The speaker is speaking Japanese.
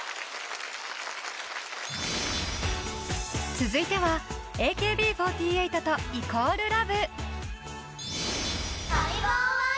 続いてはＡＫＢ４８と＝ＬＯＶＥ。